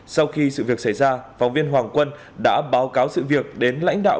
sau khi sự việc xảy ra phóng viên hoàng quân đã báo cáo sự việc đến lãnh đạo